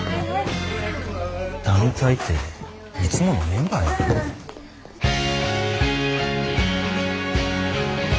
団体っていつものメンバーやん。